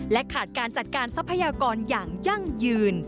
ขาดการจัดการทรัพยากรอย่างยั่งยืน